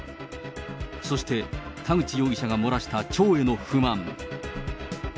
そして、田口容疑者が漏らした町への不満。